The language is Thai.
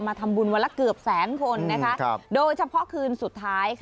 ทำบุญวันละเกือบแสนคนโดยเฉพาะคืนสุดท้าย